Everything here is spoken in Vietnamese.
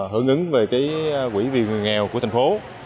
hướng ứng về quỹ viên người nghèo của thành phố